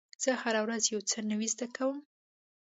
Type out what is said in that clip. زه هره ورځ یو څه نوی زده کوم.